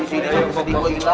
jangan galau galau gitu